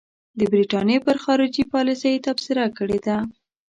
د برټانیې پر خارجي پالیسۍ تبصره کړې ده.